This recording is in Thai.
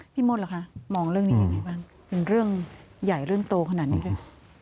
พี่มดล่ะคะมองเรื่องนี้อย่างไรบ้างเป็นเรื่องใหญ่เรื่องโตขนาดนี้ด้วย